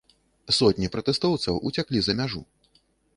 Сотні пратэстоўцаў уцяклі за мяжу.